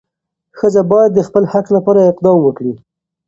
ښځه باید د خپل حق لپاره اقدام وکړي.